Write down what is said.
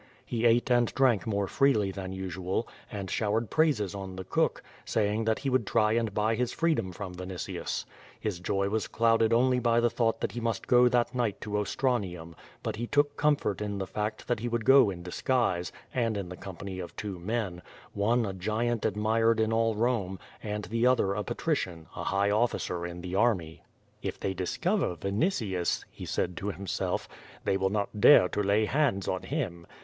He ate and drank more freely than usual, and showered praises on the cook, saying that he would try and buy his freedom from Vinitius. His joy was clouded only by the thought that he must go that night to Ostranium, but he took comfort in the fact that he would go in disguise and in the company of two men, one a giant admired by all Eome, and the other a patrician, a high officer in the army. "If they discover Vinitius/* he said to himself, "they will not dare to lay hands on him.